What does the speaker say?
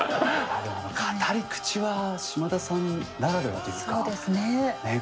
語り口は嶋田さんならではというか。